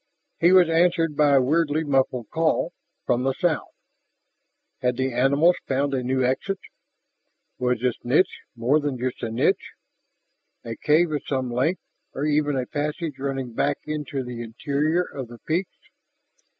He was answered by a weirdly muffled call from the south! Had the animals found a new exit? Was this niche more than just a niche? A cave of some length, or even a passage running back into the interior of the peaks?